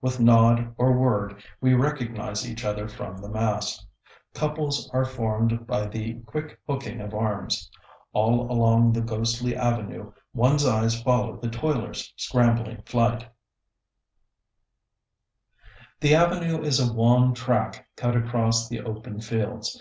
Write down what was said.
With nod or word we recognize each other from the mass. Couples are formed by the quick hooking of arms. All along the ghostly avenue one's eyes follow the toilers' scrambling flight. The avenue is a wan track cut across the open fields.